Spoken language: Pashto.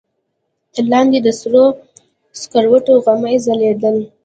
تر لاندې د سرو سکروټو غمي ځلېدل.